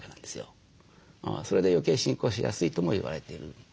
それで余計進行しやすいとも言われている。